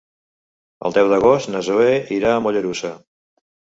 El deu d'agost na Zoè irà a Mollerussa.